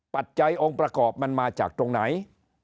ปัจจัยองค์ประกอบมันมาจากตรงไหน